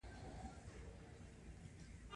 دا د مقاومت یوه لارچاره ده.